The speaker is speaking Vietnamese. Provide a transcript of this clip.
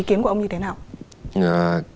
ý kiến của ông như thế nào